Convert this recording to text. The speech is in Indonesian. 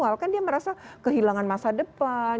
tapi kalau dia merasa kehilangan masa depan